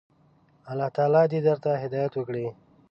الله تعالی دي درته هدايت وکړي.